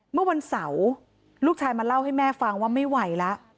เมื่อวันเสาร์ลูกชายมาเล่าให้แม่ฟังว่าไม่ไหวแล้ว